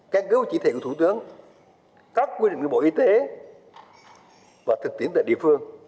căn cứ chỉ thị của thủ tướng các quy định của bộ y tế và thực tiễn tại địa phương